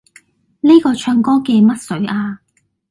呢個唱歌嘅乜水呀？